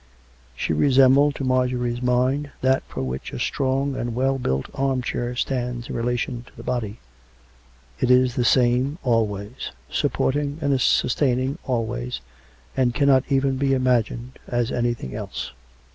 She resembled, to Marjorie's mind, that for which a strong and well built arm chair stands in relation to the body: it is the same always, supporting and sustaining always, and cannot even be imagined as anything else.